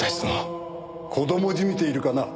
子供じみているかな？